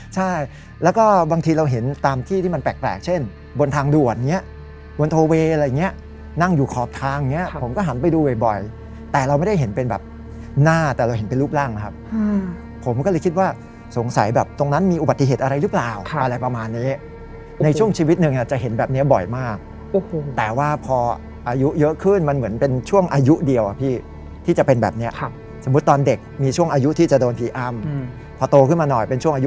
ใช่แล้วก็บางทีเราเห็นตามที่ที่มันแปลกเช่นบนทางด่วนนี้บนทอเวย์อะไรอย่างเงี้ยนั่งอยู่ขอบทางเนี้ยผมก็หันไปดูบ่อยแต่เราไม่ได้เห็นเป็นแบบหน้าแต่เราเห็นเป็นรูปร่างครับผมก็เลยคิดว่าสงสัยแบบตรงนั้นมีอุบัติเหตุอะไรหรือเปล่าอะไรประมาณนี้ในช่วงชีวิตหนึ่งจะเห็นแบบนี้บ่อยมากแต่ว่าพออายุเยอะขึ้นมัน